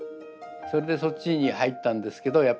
それでそっちに入ったんですけど